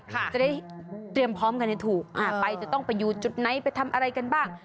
จะได้เตรียมพร้อมกันให้ถูกไปจะต้องไปอยู่จุดไหนไปทำอะไรกันบ้าง